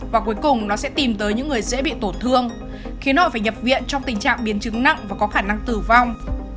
và cuối cùng nó sẽ tìm tới những người dễ bị tổn thương khiến họ phải nhập viện trong tình trạng biến chứng nặng và có khả năng tử vong